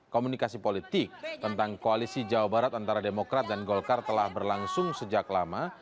komunikasi politik tentang koalisi jawa barat antara demokrat dan golkar telah berlangsung sejak lama